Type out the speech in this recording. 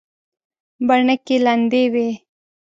بڼکې لندې وې.